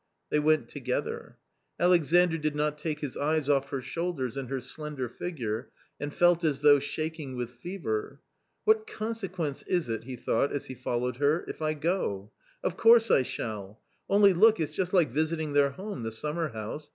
They went together. Alexandr did not take his eyes off her shoulders and her slender figure, and felt as though shaking with fever. " What consequence is it," he thought as he followed her, " if I go ; of course I shall — only look, it's just like visiting their home, the summerhouse